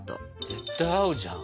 絶対合うじゃん。